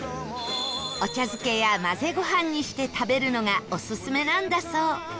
お茶漬けや混ぜご飯にして食べるのがオススメなんだそう